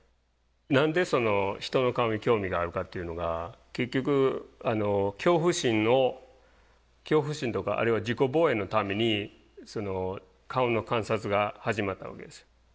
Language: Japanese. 何でその人の顔に興味があるかっていうのが結局恐怖心の恐怖心とかあるいは自己防衛のために顔の観察が始まったわけです。